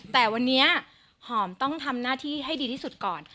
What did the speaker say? แต่วันนี้หอมต้องทำหน้าที่ให้ดีที่สุดก่อน